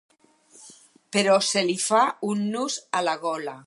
Però se li fa un nus a la gola.